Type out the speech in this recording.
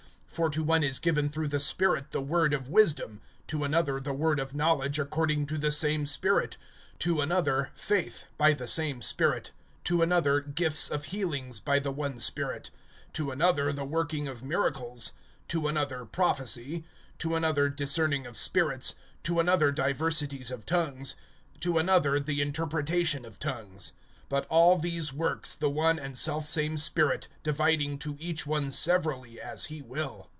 (8)For to one is given through the Spirit the word of wisdom; to another the word of knowledge according to the same Spirit; (9)to another faith, by the same Spirit; to another gifts of healings by the one Spirit; (10)to another the working of miracles; to another prophecy; to another discerning of spirits; to another diversities of tongues; to another the interpretation of tongues. (11)But all these works the one and self same Spirit, dividing to each one severally as he will.